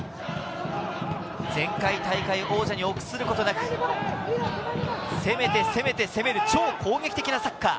前回大会王者に臆することなく、攻めて攻めて攻める、超攻撃的なサッカー。